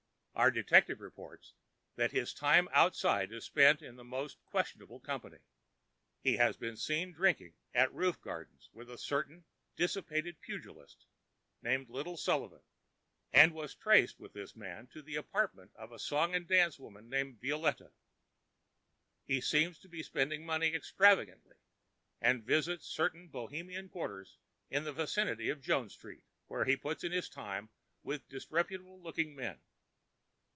Our detective reports that his time outside is spent in most questionable company. He has been seen drinking at roof gardens with a certain dissipated pugilist named Little Sullivan, and was traced with this man to the apartment of a song and dance woman named Violette. He seems to be spending money extravagantly and visits certain bohemian quarters in the vicinity of Jones Street, where he puts in his time with disreputable looking men.